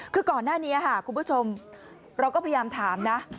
คือก่อนหน้านี้ค่ะคุณผู้ชมเราก็พยายามถามนะ